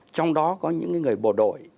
trong đó có những người bộ đội